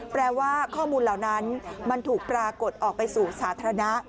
แปลว่าข้อมูลเหล่านั้นมันถูกปรากฏออกไปสู่สาธารณะ